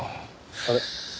あれ？